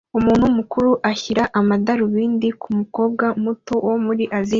Umuntu mukuru ashyira amadarubindi kumukobwa muto wo muri Aziya